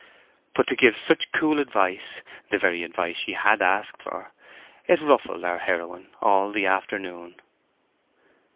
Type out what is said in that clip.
But to give such cool advice—the very advice she had asked for—it ruffled our heroine all the afternoon.